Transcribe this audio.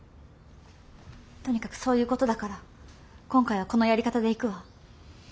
とにかくそういうことだから今回はこのやり方でいくわ。